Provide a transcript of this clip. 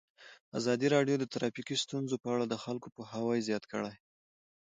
ازادي راډیو د ټرافیکي ستونزې په اړه د خلکو پوهاوی زیات کړی.